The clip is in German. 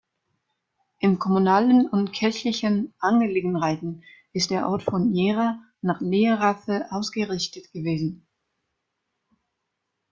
In kommunalen und kirchlichen Angelegenheiten ist der Ort von jeher nach Leerhafe ausgerichtet gewesen.